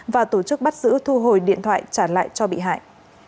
và tổ chức bắt giữ thu hồi điện thoại trả lại cho bị hại